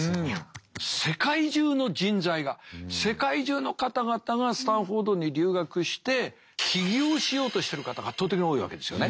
世界中の人材が世界中の方々がスタンフォードに留学して起業しようとしてる方が圧倒的に多いわけですよね。